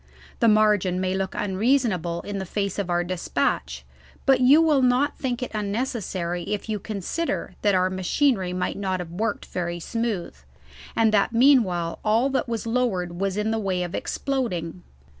The margin may look unreasonable in the face of our despatch, but you will not think it unnecessary if you consider that our machinery might not have worked very smooth, and that meanwhile all that was lowered was in the way of exploding.